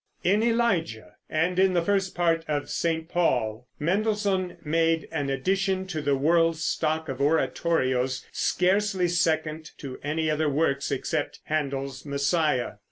] In "Elijah" and in the first part of "St. Paul" Mendelssohn made an addition to the world's stock of oratorios scarcely second to any other works, excepting Händel's "Messiah."